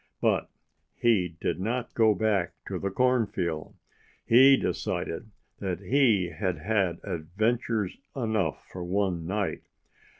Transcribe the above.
But he did not go back to the cornfield. He decided that he had had adventures enough for one night.